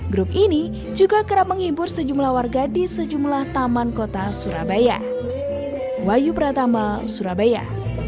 grup ini juga kerap menghibur sejumlah warga di sejumlah taman kota surabaya